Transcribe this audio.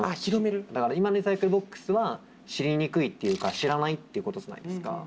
今のリサイクルボックスは知りにくいっていうか知らないってことじゃないですか。